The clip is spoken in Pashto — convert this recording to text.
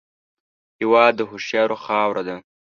هېواد د هوښیارو خاوره ده